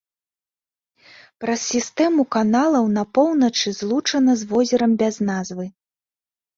Праз сістэму каналаў на поўначы злучана з возерам без назвы.